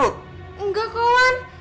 nggak kok wun